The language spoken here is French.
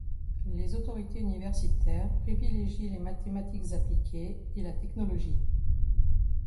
Les autorités universitaires privilégient les mathématiques appliquées et la technologie.